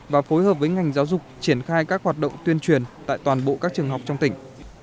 và phối hợp với ngành giáo dục triển khai các hoạt động tuyên truyền tại toàn bộ các trường học trong tỉnh